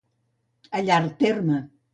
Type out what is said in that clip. A llarg terme.